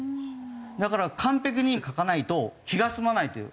だから完璧に書かないと気が済まないという。